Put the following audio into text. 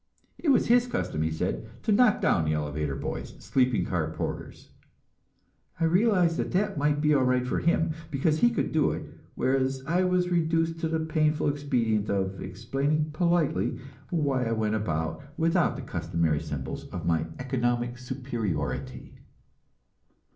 It was his custom, he said, to knock down the elevator boys and sleeping car porters. I answered that that might be all right for him, because he could do it; whereas I was reduced to the painful expedient of explaining politely why I went about without the customary symbols of my economic superiority.